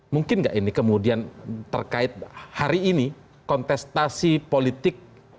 mungkin nggak ini kemudian terkait hari ini kontestasi politik